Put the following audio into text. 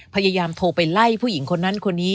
พยายามโทรไปไล่ผู้หญิงคนนั้นคนนี้